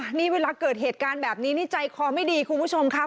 นี่เวลาเกิดเหตุการณ์แบบนี้นี่ใจคอไม่ดีคุณผู้ชมครับ